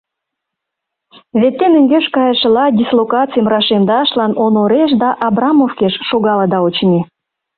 Вет те мӧҥгеш кайышыла дислокацийым рашемдашлан Онореш да Абрамовкеш шогалыда, очыни?